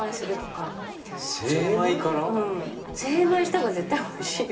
精米した方が絶対おいしいよ。